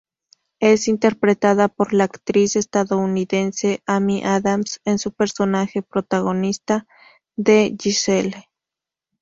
Es interpretada por la actriz estadounidense Amy Adams en su personaje protagonista de Giselle.